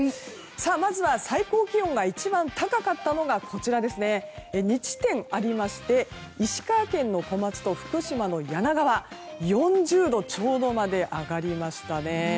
まずは最高気温が一番高かったのが２地点ありまして石川県の小松と福島の梁川で４０度ちょうどまで上がりましたね。